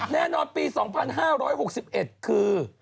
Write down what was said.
แน่นอนปี๒๕๖๑คือ